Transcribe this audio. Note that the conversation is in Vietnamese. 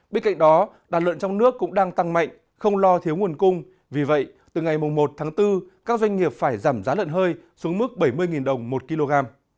bên cạnh đó đàn lợn trong nước cũng đang tăng mạnh không lo thiếu nguồn cung vì vậy từ ngày một tháng bốn các doanh nghiệp phải giảm giá lợn hơi xuống mức bảy mươi đồng một kg